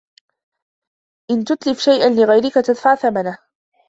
إِنَّ تُتْلِفُ شِيئًا لِغَيْرِكَ تَدْفَعْ ثَمَنَهُ.